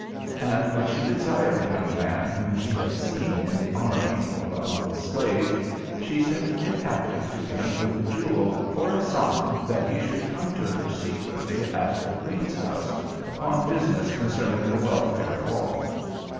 And when she desired a young man whom she had seen in the army or among the slaves, she sent the Captive to him with the jewel, for a sign that he should come to her secretly at the Queen's House upon business concerning the welfare of all.